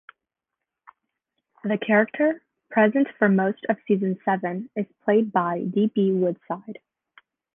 The character, present for most of Season Seven, is played by D. B. Woodside.